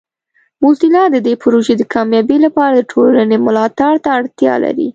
موزیلا د دې پروژې د کامیابۍ لپاره د ټولنې ملاتړ ته اړتیا لري.